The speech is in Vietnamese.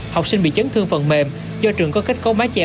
học sinh bị chấn thương phần mềm do trường có kết cấu mái chè